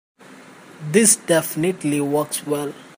This definitely works well.